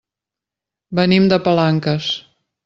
Venim de Palanques.